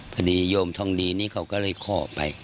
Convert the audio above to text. โยมทองดีนี่เขาก็เลยขอไป